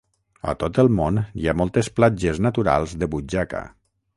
A tot el món hi ha moltes platges naturals de butxaca.